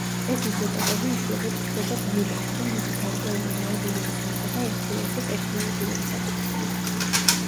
ეს იზოტოპები იშვიათად გვხვდება ბუნებაში და მათი გარკვეული რაოდენობის მიღება ურთულესი ტექნოლოგიური საკითხია.